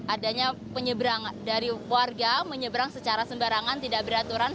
adanya penyeberangan dari warga menyeberang secara sembarangan tidak beraturan